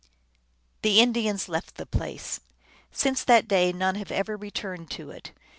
The Indians left the place ; since that day none have ever returned to it.